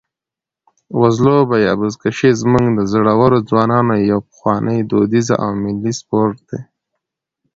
وزلوبه یا بزکشي زموږ د زړورو ځوانانو یو پخوانی، دودیز او ملي سپورټ دی.